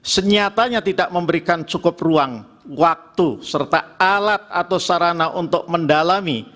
senyatanya tidak memberikan cukup ruang waktu serta alat atau sarana untuk mendalami